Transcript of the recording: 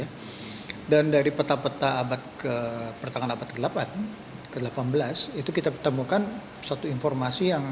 hai dan dari peta peta abad ke pertanggal abad ke delapan belas itu kita ketemukan satu informasi yang